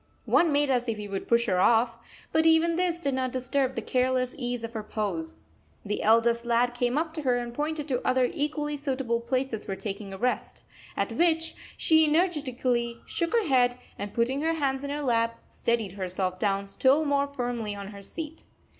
One made as if he would push her off, but even this did not disturb the careless ease of her pose. The eldest lad came up to her and pointed to other equally suitable places for taking a rest; at which she energetically shook her head, and putting her hands in her lap, steadied herself down still more firmly on her seat.